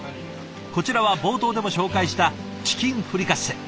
こちらは冒頭でも紹介したチキンフリカッセ。